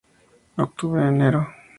Octubre a Enero.